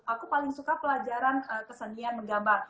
aku paling suka pelajaran kesenian menggambar